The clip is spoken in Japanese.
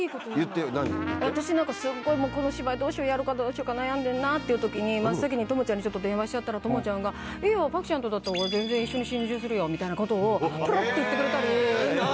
私なんかすっごいこの芝居どうしようやるかどうしようか悩んでるなっていう時に真っ先に智ちゃんに電話しちゃったら智ちゃんが「いいよ。朴ちゃんとだったら俺全然一緒に心中するよ」みたいな事をポロッと言ってくれたり。